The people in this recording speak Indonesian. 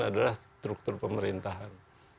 adalah struktur pemerintahan